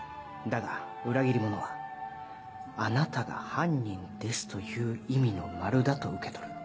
だが裏切り者は「あなたが犯人です」という意味の「○」だと受け取る。